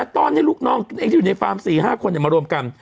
ตอนนี้ลูกน้องในฟาร์ม๔๕คนมรวมกัน